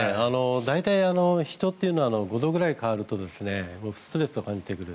大体、人というのは５度くらい変わるとストレスを感じてくる。